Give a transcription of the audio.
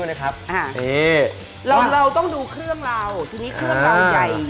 เอ้าลงไท้